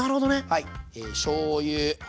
はい。えしょうゆ。